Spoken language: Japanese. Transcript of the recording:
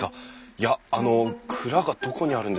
いやあの蔵がどこにあるんですかね？